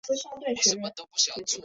股间有显着的红棕色的大斑。